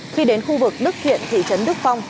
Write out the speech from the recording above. khi đến khu vực đức thiện thị trấn đức phong